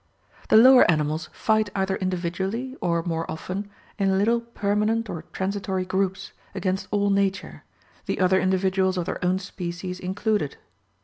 The lower animals fight either individually, or, more often, in little permanent or transitory groups, against all nature, the other individuals of their own species included.